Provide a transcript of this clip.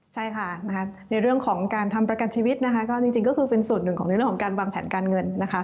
ใช่ค่ะในเรื่องของการทำประกันชีวิตนะคะก็จริงก็คือเป็นส่วนหนึ่งของในเรื่องของการวางแผนการเงินนะคะ